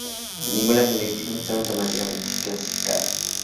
Ninguna selección está automáticamente clasificada.